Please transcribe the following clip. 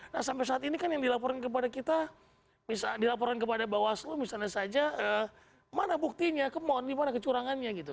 nah sampai saat ini kan yang dilaporkan kepada kita bisa dilaporkan kepada bawaslu misalnya saja mana buktinya kemon dimana kecurangannya gitu